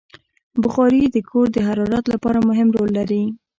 بخاري د کور د حرارت لپاره مهم رول لري.